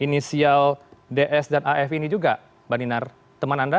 inisial ds dan af ini juga mbak dinar teman anda